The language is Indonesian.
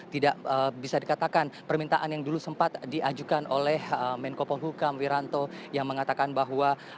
tidak bisa dikatakan permintaan yang dulu sempat diajukan oleh menko polhukam wiranto yang mengatakan bahwa